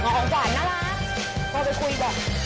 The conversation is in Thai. หมอของขวัญน่ารักมาไปคุยก่อน